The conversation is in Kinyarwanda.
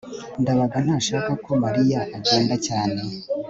ndabaga ntashaka ko mariya agenda cyane